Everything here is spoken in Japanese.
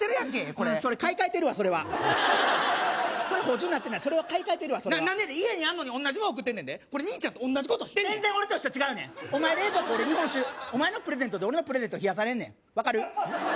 これそれ買い替えてるわそれはそれ補充になってないそれは買い替えてるわ何でやねん家にあんのに同じもん贈ってんねんで兄ちゃんと同じことしてんねん全然俺としては違うねんお前冷蔵庫俺日本酒お前のプレゼントで俺のプレゼント冷やされんねん分かる？